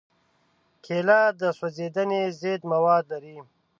کېله د سوځېدنې ضد مواد لري.